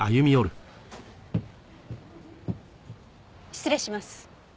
失礼します。